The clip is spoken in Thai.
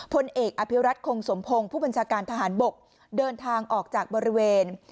พลเอกอภิรัตคงสมพงศ์ผู้บัญชาการทหารบกเดินทางออกจากบริเวณ